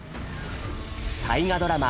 大河ドラマ